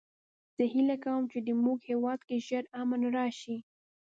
زه هیله کوم چې د مونږ هیواد کې ژر امن راشي